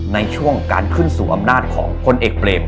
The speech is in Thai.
ในช่วงการขึ้นสู่อำนาจของพลเอกเปรม